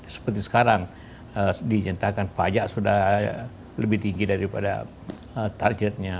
seperti sekarang dinyatakan pajak sudah lebih tinggi daripada targetnya